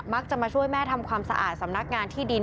จะมาช่วยแม่ทำความสะอาดสำนักงานที่ดิน